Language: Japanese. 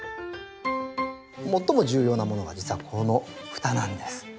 最も重要なものが実はこの蓋なんです。